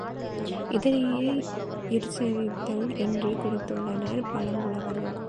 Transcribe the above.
இதனையே இற்செறித்தல் என்று குறித்துள்ளனர், பழம்புலவர்கள்.